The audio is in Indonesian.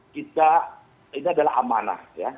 kita ini adalah amanah ya